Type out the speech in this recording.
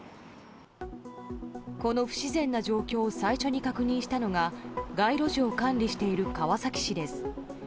この不自然な状況を最初に確認したのが街路樹を管理している川崎市です。